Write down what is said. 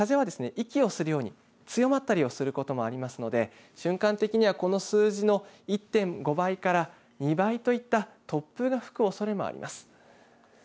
息をするように強まったりすることもありますので瞬間的には、この数字の１．５倍から２倍といった突風が吹くおそれがあります。